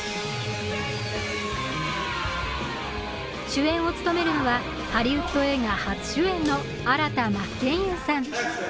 主演を務めるのはハリウッド映画初主演の新田真剣佑さん。